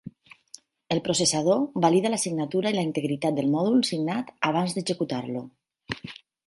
El processador valida la signatura i la integritat del mòdul signat abans d'executar-lo.